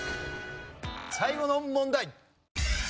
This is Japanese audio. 最後の問題。